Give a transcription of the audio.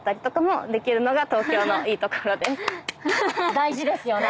大事ですね。